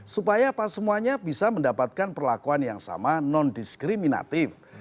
supaya apa semuanya bisa mendapatkan perlakuan yang sama non diskriminatif